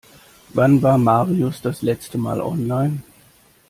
Wann war Marius das letzte Mal online?